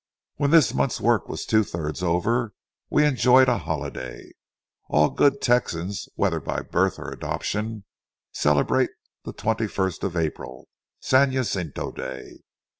When this month's work was two thirds over, we enjoyed a holiday. All good Texans, whether by birth or adoption, celebrate the twenty first of April,—San Jacinto Day.